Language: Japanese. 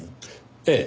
ええ。